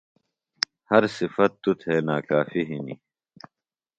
ہر صِفت توۡ تھےۡ ناکافی ہِنیۡ۔